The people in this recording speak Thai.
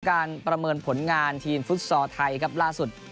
ประเมินผลงานทีมฟุตซอลไทยครับล่าสุด